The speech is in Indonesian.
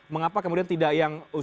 mengapa kemudian tidak yang